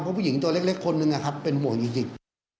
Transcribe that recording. เพราะผู้หญิงตัวเล็กคนหนึ่งเป็นหัวอิ่งจิต